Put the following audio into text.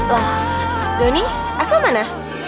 lah donny eva mana